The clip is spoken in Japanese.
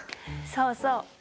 そうそう。